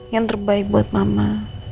yang terbaik buat mama